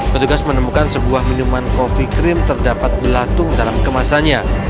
petugas menemukan sebuah minuman kopi krim terdapat belatung dalam kemasannya